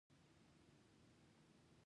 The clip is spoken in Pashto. دا پیسې په خپله لومړنۍ اندازه نه وي